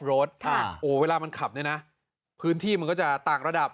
รถเวลามันขับเนี่ยนะพื้นที่มันก็จะต่างระดับ